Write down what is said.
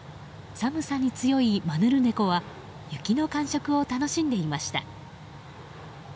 寒さに強いマヌルネコは雪の感触を楽しんでいました。